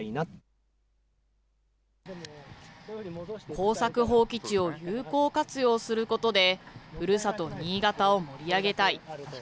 耕作放棄地を有効活用することで、ふるさと新潟を盛り上げたい。